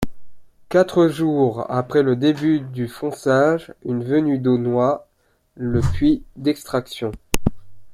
Quatre jours après le début du fonçage, une venue d'eau noie le puits d'extraction.